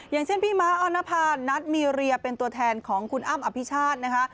อย่างเช่นพี่ม้าออนภานัทมีเรียเป็นตัวแทนของคุณอ้ำอภิชาตินะคะ